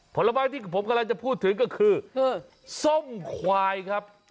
ภาระบายที่ผมกำลังจะพูดถึงก็คือซ่อมควายครับ